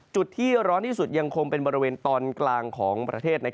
จุดที่ร้อนที่สุดยังคงเป็นบริเวณตอนกลางของประเทศ